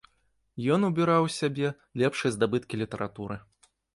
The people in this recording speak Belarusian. Ён убіраў у сябе лепшыя здабыткі літаратуры.